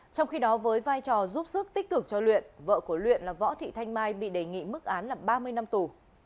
trong khi đó với vai trò giúp sức tích cực cho luyện vợ của luyện là võ thị thanh mai bị đề nghị mức án là ba mươi năm tù